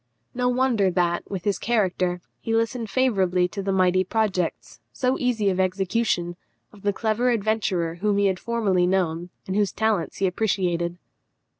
No wonder that, with this character, he listened favourably to the mighty projects, so easy of execution, of the clever adventurer whom he had formerly known, and whose talents he appreciated.